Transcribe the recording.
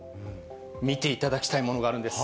見ていただきたいものがあるんです。